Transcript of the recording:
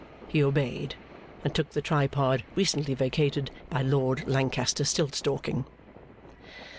He obeyed, and took the tripod recently vacated by Lord Lancaster Stiltstalking.